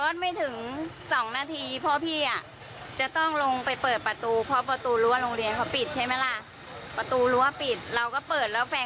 แต่ไม่คิดว่าจะเป็น